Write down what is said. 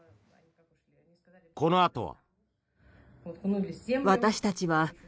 このあとは。